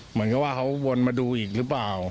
เหมือนกับว่าเขาวนมาดูอีกหรือเปล่า